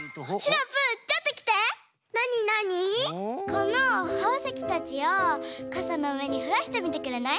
このほうせきたちをかさのうえにふらしてみてくれない？